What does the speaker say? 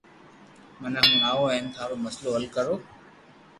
مني ھڻاو ھن ٿارو مسلو حل ڪرو